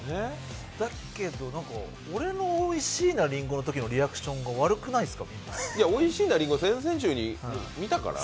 だけど俺のおいしいな林檎のときのリアクションが悪くないですか？